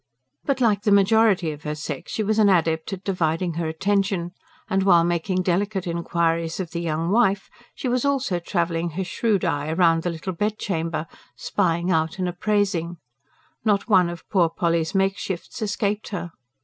But like the majority of her sex she was an adept at dividing her attention; and while making delicate inquiries of the young wife, she was also travelling her shrewd eye round the little bedchamber, spying out and appraising: not one of poor Polly's makeshifts escaped her.